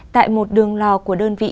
tại một đường lò của đơn vị